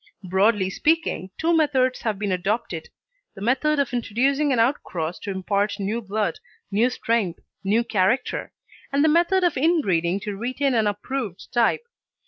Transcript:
Broadly speaking, two methods have been adopted: The method of introducing an outcross to impart new blood, new strength, new character; and the method of inbreeding to retain an approved type.